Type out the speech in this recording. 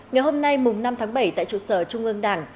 ngày hôm nay năm tháng bảy tại trụ sở trung ương đảng